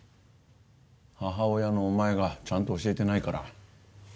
母親のお前がちゃんと教えてないから。